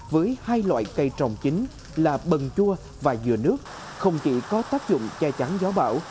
với hai loại cây trồng chính là bần chua và dừa nước không chỉ có tác dụng che chắn gió bão